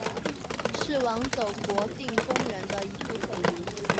是网走国定公园的一部分。